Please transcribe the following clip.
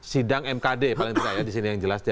sidang mkd paling tidak ya disini yang jelas